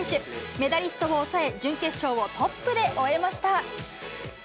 メダリストを抑え、準決勝をトップで終えました。